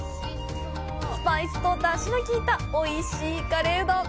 スパイスと出汁のきいたおいしいカレーうどん。